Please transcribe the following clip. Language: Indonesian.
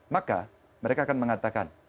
maka mereka akan mengatakan